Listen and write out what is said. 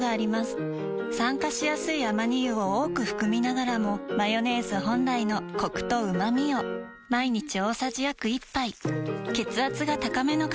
酸化しやすいアマニ油を多く含みながらもマヨネーズ本来のコクとうまみを毎日大さじ約１杯血圧が高めの方に機能性表示食品